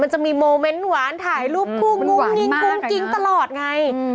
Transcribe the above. มันจะมีโมเมนต์หวานถ่ายรูปคู่งุ้งงิ้งกุ้งกิ๊งตลอดไง